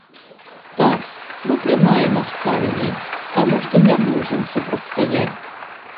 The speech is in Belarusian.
Так, мы прымаем абставіны, таму што не можам супрацьстаяць.